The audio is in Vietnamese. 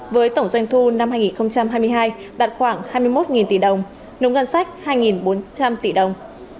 với tổng doanh thu năm hai nghìn hai mươi hai đạt khoảng hai mươi một tỷ đồng nông ngân sách hai bốn trăm linh tỷ đồng